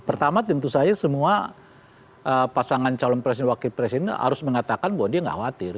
pertama tentu saja semua pasangan calon presiden wakil presiden harus mengatakan bahwa dia nggak khawatir